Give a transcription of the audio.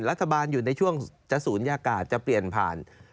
รัฐบาลอยู่ในช่วงจะศูนยากาศจะเปลี่ยนผ่าน